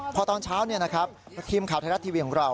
พอตอนเช้านะครับทีมขาดท้ายรัฐทีวีของเรา